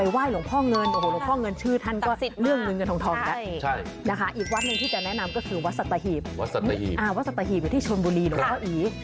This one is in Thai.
อีกวัดหนึ่งที่จะแนะนำก็คือวัสเตธีบอยู่ที่ชนบุรีน้องเก้าอี